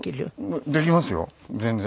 できますよ全然。